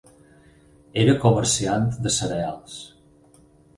Era comerciant de cereals.